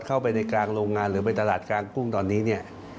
เข้าไปในกลางโรงงานหรือไปตลาดกลางกุ้งตอนนี้เนี่ย